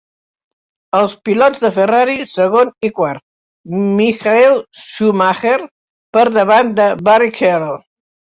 Els pilots de Ferrari segon i quart; Michael Schumacher per davant de Barrichello.